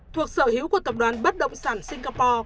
thuộc sở hữu của tập đoàn bất động sản singapore